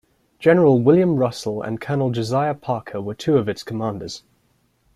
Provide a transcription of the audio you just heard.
General William Russell and Colonel Josiah Parker were two of its commanders.